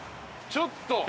ちょっと。